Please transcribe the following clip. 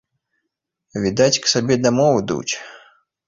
Відаць, к сабе дамоў ідуць.